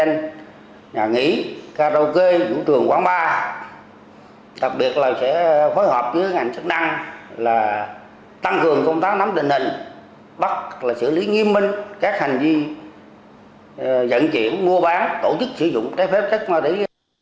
tăng cường công tác nắm định hình bắt xử lý nghiêm minh các hành vi dẫn chuyển mua bán tổ chức sử dụng trái phép chất ma túy